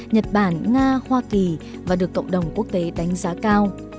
nhật bản nga hoa kỳ và được cộng đồng quốc tế đánh giá cao